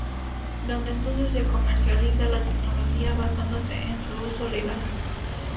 Desde entonces se comercializa la tecnología basándose en su uso legal.